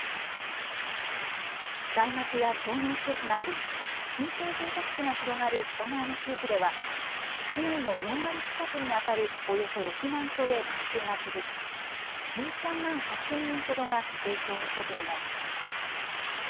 大学や商業施設があり、新興住宅地が広がる北側の地域では、市内の４割近くに当たるおよそ６万戸で断水が続き、１３万８０００人ほどが影響を受けています。